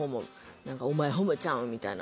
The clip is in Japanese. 「お前ホモちゃうん」みたいな。